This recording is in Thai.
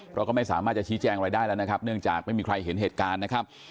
เราก็ไม่สามารถจะชี้แจงอะไรได้แล้วนะครับเนื่องจากไม่มีใครเห็นเหตุการณ์นะครับ